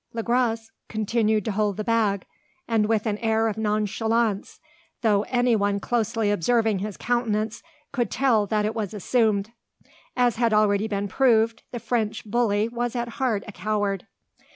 Le Gros continued to hold the bag, and with an air of nonchalance; though anyone closely observing his countenance could tell that it was assumed. As had been already proved, the French bully was at heart a coward.